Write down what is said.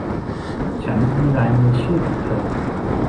ฉันมีลายมือชื่อของเธอ